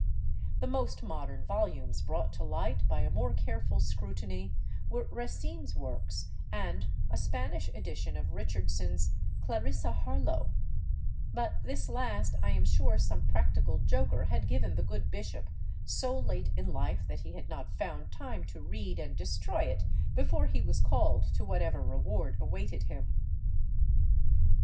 The most modern volumes brought to light by a more careful scrutiny were Racine's works and a Spanish edition of Richardson's " Clarissa Harlowe "; but this last I am sure some practical joker had given the good bishop so late in life that he had not found time to read and destroy it before he was called to whatever reward awaited him.